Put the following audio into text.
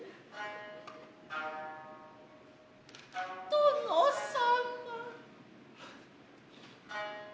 殿様。